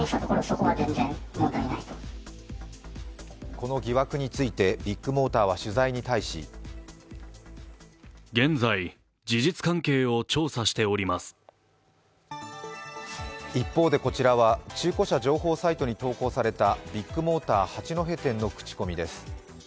この疑惑についてビッグモーターは取材に対し一方で、こちらは中古車情報サイトに投稿されたビッグモーター八戸店の口コミです。